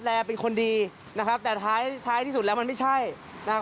เป็นคนดีนะครับแต่ท้ายท้ายที่สุดแล้วมันไม่ใช่นะครับ